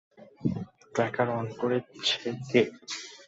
Tracker on করছে কে?